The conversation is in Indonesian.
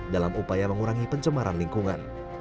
dalam upaya mengurangi pencemaran lingkungan